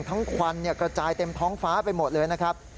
ควันกระจายเต็มท้องฟ้าไปหมดเลยนะครับ